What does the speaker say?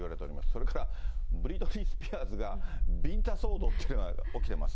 それからブリトニー・スピアーズがビンタ騒動というのが起きてます。